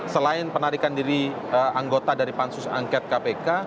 selain penarikan diri anggota dari pansus angket kpk